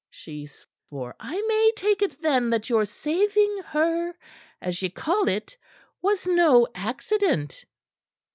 she swore, "I may take it, then, that your saving her as ye call it was no accident."